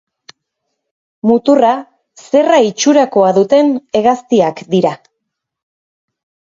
Muturra zerra itxurakoa duten hegaztiak dira.